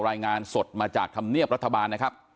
รายงานสดมาจากธำเนียบรัฐบาล